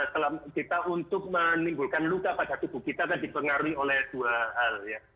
kita untuk menimbulkan luka pada tubuh kita akan dipengaruhi oleh dua hal ya